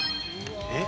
えっ？